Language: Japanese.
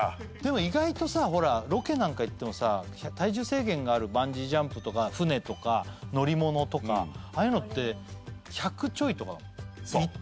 意外とさほらロケなんか行ってもさ体重制限があるバンジージャンプとか船とか乗り物とかああいうのって１００ちょいとかだもんいって。